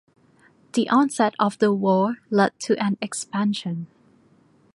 The onset of the war led to an expansion.